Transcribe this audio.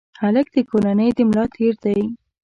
هلک د کورنۍ د ملا تیر دی.